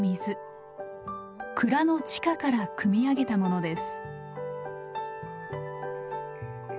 蔵の地下からくみ上げたものです。